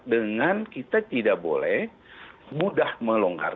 dengan kita tidak boleh mudah melonggar